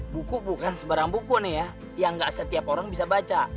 buku bukan sebarang buku nih ya yang gak setiap orang bisa baca